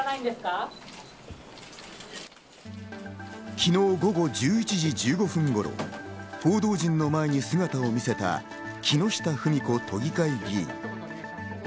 昨日午後１１時１５分頃、報道陣の前に姿を見せた木下富美子都議会議員。